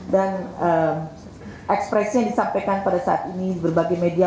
dan ekspresi yang disampaikan pada saat ini di berbagai media